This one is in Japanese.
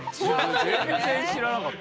全然知らなかった。